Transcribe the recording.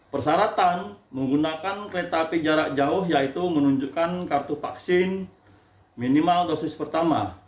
persyaratan menggunakan kereta api jarak jauh yaitu menunjukkan kartu vaksin minimal dosis pertama